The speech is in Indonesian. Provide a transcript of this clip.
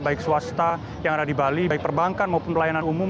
baik swasta yang ada di bali baik perbankan maupun pelayanan umum